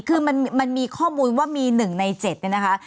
คือมันมีข้อมูลว่ามี๑ใน๗เนี่ยนะคะ